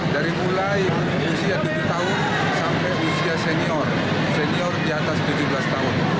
dari mulai usia tujuh tahun sampai usia senior senior di atas tujuh belas tahun